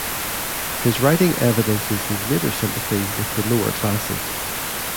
His writing evidences his later sympathy with the lower classes.